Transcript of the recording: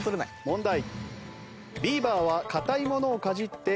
問題。